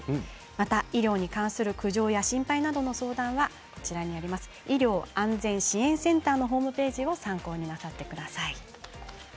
また医療に関する苦情や心配などの相談は医療安全支援センターのホームページを参考になさってください。